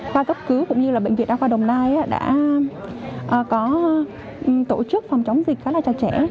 khoa cấp cứu cũng như là bệnh viện đa khoa đồng nai đã có tổ chức phòng chống dịch khá là cho trẻ